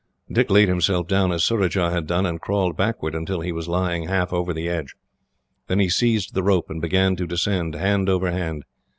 Dick laid himself down as Surajah had done, and crawled backwards until he was lying half over the edge. Then he seized the rope and began to descend, hand over hand.